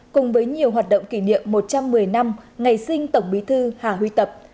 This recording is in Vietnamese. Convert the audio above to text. cùng với nhiều hoạt động kỷ niệm một trăm một mươi năm ngày sinh tổng bí thư hà huy tập